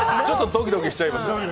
ちょっとドキドキしちゃいますね。